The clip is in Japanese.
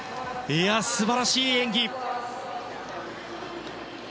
素晴らしい演技。